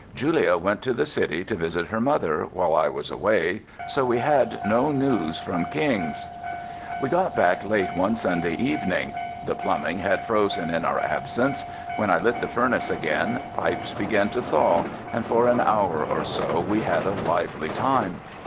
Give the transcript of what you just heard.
Julia went to the city to visit her mother while I was away, so we had no news from Kings. We got back late one Sunday evening. The plumbing had frozen in our absence; when I lit the furnace again, pipes began to thaw and for an hour or so we had a lively time.